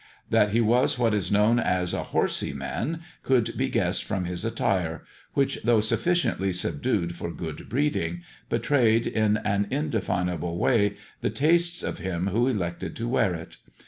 That he was what is known as a " horsey man " could be guessed from his attire, which, though sufficiently sub dued for good breeding, betrayed, in an indefinable way, the tastes of him who elected to wear it.